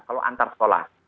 kalau antar sekolah